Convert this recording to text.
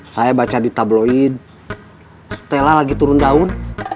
saya baca di tabloid stella lagi turun daun